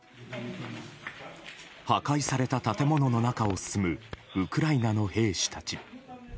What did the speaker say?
破壊された建物の中を進むウクライナの兵士たち。